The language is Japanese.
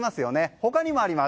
他にもあります。